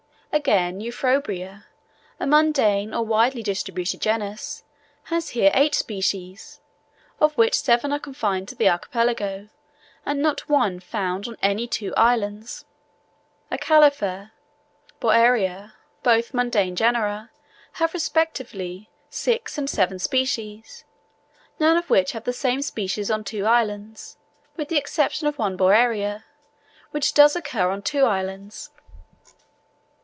Again, Euphorbia, a mundane or widely distributed genus, has here eight species, of which seven are confined to the archipelago, and not one found on any two islands: Acalypha and Borreria, both mundane genera, have respectively six and seven species, none of which have the same species on two islands, with the exception of one Borreria, which does occur on two islands.